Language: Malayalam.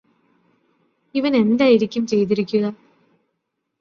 ഇവനെന്തായിരിക്കും ചെയ്തിരിക്കുക